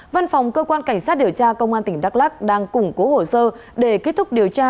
văn phòng cơ quan cảnh sát điều tra công an tỉnh đắk lắc đang củng cố hồ sơ để kết thúc điều tra